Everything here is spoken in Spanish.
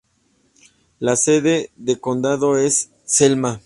La sede de condado es Selma.